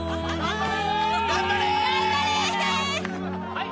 ・はい。